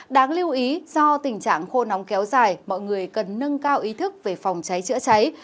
đáng lưu ý do tình trạng khô nóng kéo dài mọi người cần nâng cao ý thức về phòng cháy chữa cháy